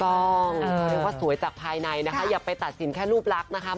ต้องเพราะว่าสวยจากภายในนะคะอย่าไปตัดสินแค่รูปรักนะคะ